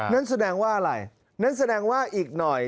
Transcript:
นั่นแสดงว่าอะไรนั่นแสดงว่าอีกหน่อย